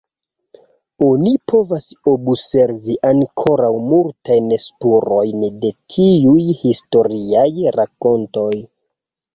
Oni povas observi ankoraŭ multajn spurojn de tiuj historiaj rakontoj.